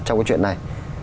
trong cái chuyện này